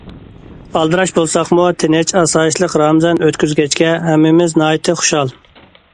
ئالدىراش بولساقمۇ، تىنچ، ئاسايىشلىق رامىزان ئۆتكۈزگەچكە، ھەممىمىز ناھايىتى خۇشال.